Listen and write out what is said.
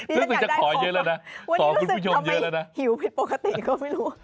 นี่มันอยากได้ขอขอคุณผู้ชมเยอะแล้วนะวันนี้รู้สึกทำไมหิวผิดปกติก็ไม่รู้